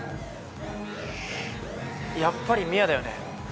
やっぱり美和だよね？